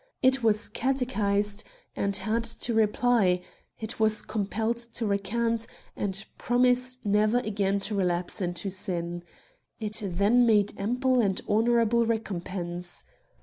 ... It was catechised, and had to reply ; it was compelled to recant, and promise never again to relapse into sin ; it then made ample and honourable recompense.